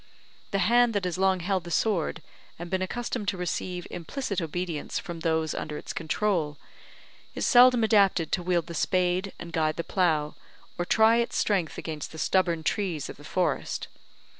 The hand that has long held the sword, and been accustomed to receive implicit obedience from those under its control, is seldom adapted to wield the spade and guide the plough, or try its strength against the stubborn trees of the forest.